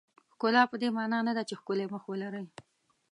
ښکلا پدې معنا نه ده چې ښکلی مخ ولرئ.